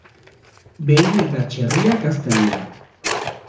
Behi eta txerriak hazten dira.